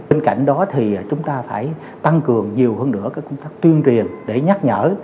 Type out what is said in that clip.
bên cạnh đó thì chúng ta phải tăng cường nhiều hơn nữa công tác tuyên truyền để nhắc nhở